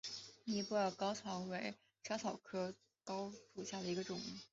尼泊尔嵩草为莎草科嵩草属下的一个种。